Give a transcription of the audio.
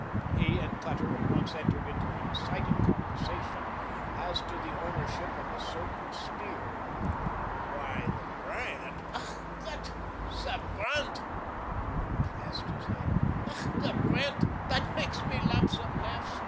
He and Cutter at once entered into an excited conversation as to the ownership of a certain steer. "Why, the brand " "Ach, Gott, der brendt," Hooven clasped his head, "ach, der brendt, dot maks me laugh some laughs.